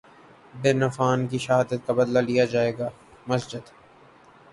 بن Affan کی شہادت کا بدلہ لیا جائے گا مسجد